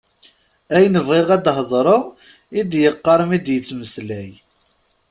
Ayen bɣiɣ ad hedreɣ i d-yeqqar mi ara d-yettmeslay.